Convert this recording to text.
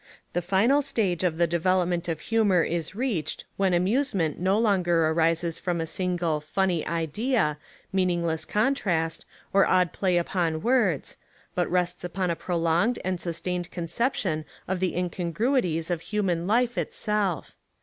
The final stage of the development of humour is reached when amusement no longer arises from a single "funny" idea, meaningless contrast, or odd play upon words, but rests upon a prolonged and sustained conception of the incongruities of human life itself.